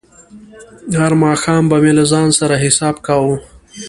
هر ماښام به مې له ځان سره حساب کاوه.